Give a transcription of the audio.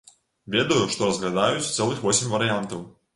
Ведаю, што разглядаюць цэлых восем варыянтаў.